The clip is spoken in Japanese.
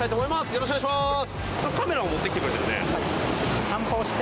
よろしくお願いします！